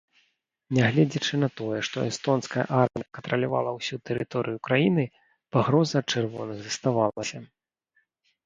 Нягледзячы на тое, што эстонская армія кантралявала ўсю тэрыторыю краіны, пагроза ад чырвоных заставалася.